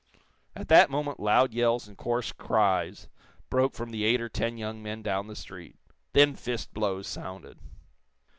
At that moment loud yells and coarse cries broke from the eight or ten young men down the street. Then fist blows sounded.